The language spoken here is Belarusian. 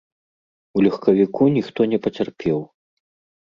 У легкавіку ніхто не пацярпеў.